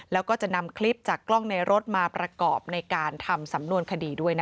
แล้วก็จะนำคลิปจากกล้องในรถมาประกอบในการทำสำนวนคดีด้วยนะคะ